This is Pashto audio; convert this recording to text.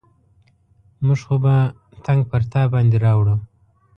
موږ خو به تنګ پر تا باندې راوړو.